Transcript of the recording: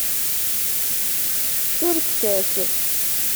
Surfet-as.